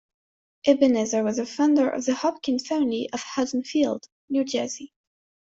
Ebenezer was the founder of the Hopkins family of Haddonfield, New Jersey.